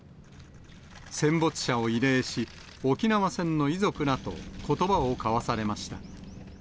戦没者を慰霊し、沖縄戦の遺族らとことばを交わされました。